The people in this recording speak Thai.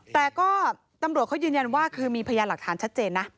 แต่ก็ตำรวจเขายืนยันว่าคือมีพยานหลักฐานชัดเจนนะ